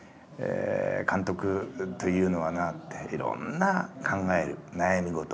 「監督というのはないろんな考える悩み事